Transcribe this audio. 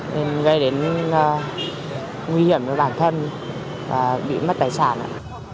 nên gây đến nguy hiểm cho bản thân và bị mất tài sản